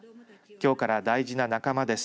きょうから大事な仲間です。